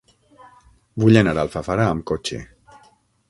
Vull anar a Alfafara amb cotxe.